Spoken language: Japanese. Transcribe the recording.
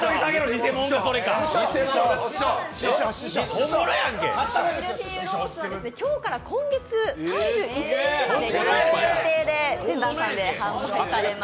ニセモノの４層のミルフィーユロースは今日から今月３１日まで期間限定で天壇さんで販売されます。